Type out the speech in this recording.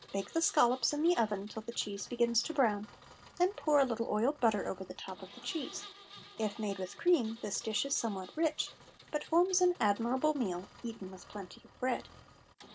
Bake the scollops in the oven till the cheese begins to brown; then pour a little oiled butter over the top of the cheese. If made with cream this dish is somewhat rich, but forms an admirable meal eaten with plenty of bread.